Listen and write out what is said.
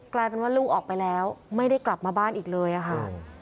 กลายเป็นว่าลูกออกไปแล้วไม่ได้กลับมาบ้านอีกเลยค่ะ